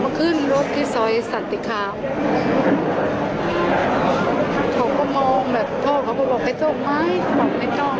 เมื่อคืนรถที่ซอยสันติคามเขาก็มองแบบเนาว์ก็บอกให้เจ้าไม่บอกไม่ต้องด่วยังไปเอง